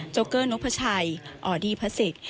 โจ๊กเกอร์นุ๊กพระชัยอ่อดีพระศริก